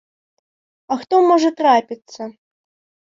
А хто можа трапіцца.